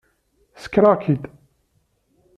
Sekreɣ-k-id.